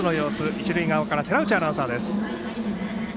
一塁側から寺内アナウンサーです。